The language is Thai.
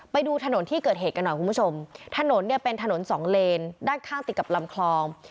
ไปดูถนนที่เกิดเหตุกันหน่อยคุณผู้ชมถนนเนี่ยเป็นถนนสองเลนด้านข้างติดกับลำคลอง